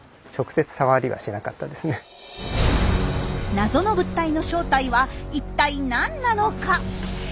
謎の物体の正体は一体何なのか？